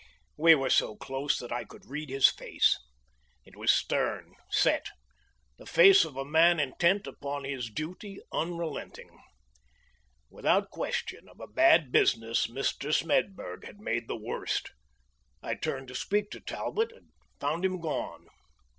We were so close that I could read his face. It was stern, set; the face of a man intent upon his duty, unrelenting. Without question, of a bad business Mr. Smedburg had made the worst. I turned to speak to Talbot and found him gone.